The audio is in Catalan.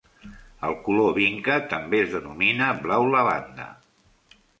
El color vinca també es denomina blau lavanda.